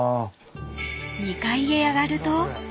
［２階へ上がると］